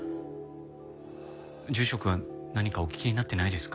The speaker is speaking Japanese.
住職は何かお聞きになってないですか？